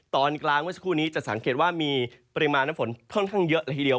ตอนกลางเมื่อสักครู่นี้จะสังเกตว่ามีปริมาณน้ำฝนค่อนข้างเยอะละทีเดียว